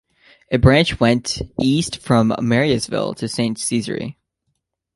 A branch went east from Mariesville to Saint Cesarie.